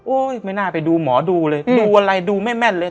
ไม่น่าไปดูหมอดูเลยดูอะไรดูไม่แม่นเลย